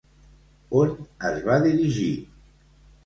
On es va dirigir?